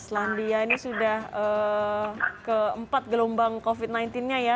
selandia ini sudah keempat gelombang covid sembilan belas nya ya